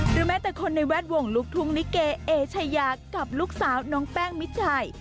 แม้แต่คนในแวดวงลูกทุ่งลิเกเอชายากับลูกสาวน้องแป้งมิดชัย